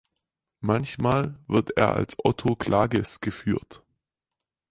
Manchmal wird er als Otto Klages geführt.